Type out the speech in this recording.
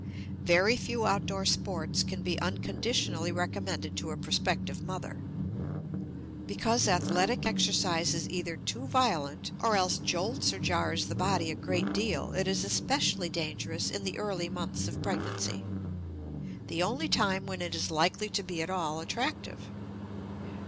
Very few outdoor sports can be unconditionally recommended to a prospective mother. Because athletic exercise is either too violent or else jolts or jars the body a great deal, it is especially dangerous in the early months of pregnancy the only time when it is likely to be at all attractive.